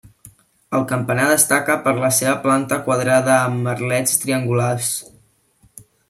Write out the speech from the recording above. El campanar destaca per la seva planta quadrada amb merlets triangulars.